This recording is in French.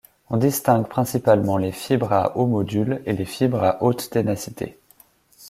On distingue principalement les fibres à haut module et les fibres à haute ténacité.